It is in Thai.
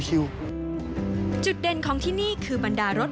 จุดเด่นของที่นี่คือบรรดารถ